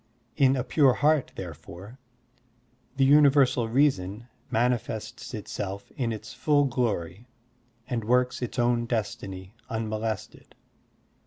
In a pure heart, therefore, the universal reason manifests itself in its full glory and works its own destiny unmolested.